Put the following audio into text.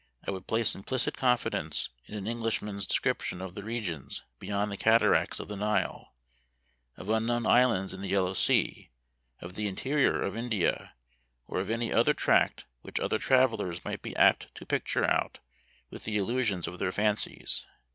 I would place implicit confidence in an Englishman's description of the regions beyond the cataracts of the Nile; of unknown islands in the Yellow Sea; of the interior of India; or of any other tract which other travellers might be apt to picture out with the illusions of their fancies.